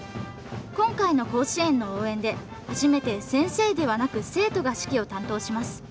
今回の甲子園の応援で初めて、先生ではなく生徒が指揮を担当します。